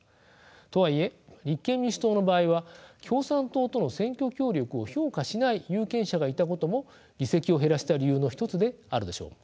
とはいえ立憲民主党の場合は共産党との選挙協力を評価しない有権者がいたことも議席を減らした理由の一つであるでしょう。